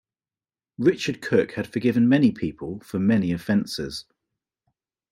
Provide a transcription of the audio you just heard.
Richard Cook had forgiven many people for many offenses.